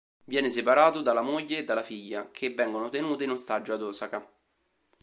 Viene separato dalla moglie e dalla figlia, che vengono tenute in ostaggio ad Osaka.